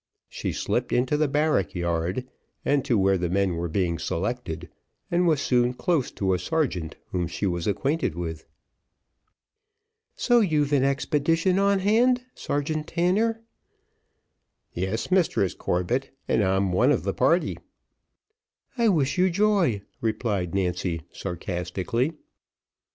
She slipped into the barrack yard, and to where the men were being selected, and was soon close to a sergeant whom she was acquainted with. "So, you've an expedition on hand, Sergeant Tanner." "Yes, Mistress Corbett, and I'm one of the party." "I wish you joy," replied Nancy, sarcastically.